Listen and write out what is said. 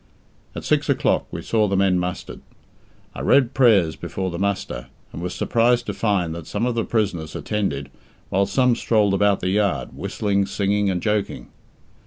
At six o'clock we saw the men mustered. I read prayers before the muster, and was surprised to find that some of the prisoners attended, while some strolled about the yard, whistling, singing, and joking.